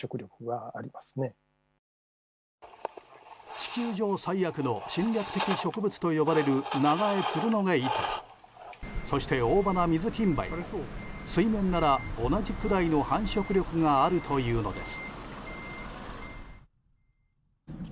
地球上最悪の侵略的植物と呼ばれるナガエツルノゲイトウそして、オオバナミズキンバイも水面なら同じくらいの繁殖力があるというのです。